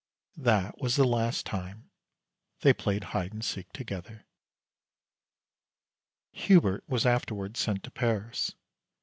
That was the last time they played hide and seek together. Hubert was afterward sent to Paris.